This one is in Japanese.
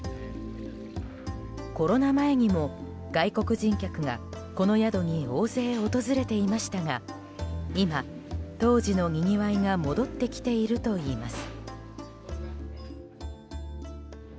コロナ前にも外国人客がこの宿に大勢訪れていましたが今、当時のにぎわいが戻ってきているといいます。